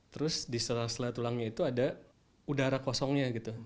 terus di sela sela tulangnya itu ada udara kosongnya gitu